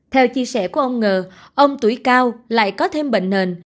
theo chia sẻ của ông ngờ ông tuổi cao lại có thêm bệnh nền